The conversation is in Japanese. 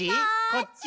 こっち？